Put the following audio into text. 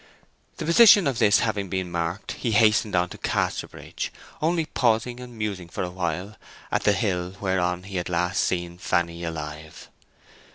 The position of this having been marked, he hastened on to Casterbridge, only pausing and musing for a while at the hill whereon he had last seen Fanny alive.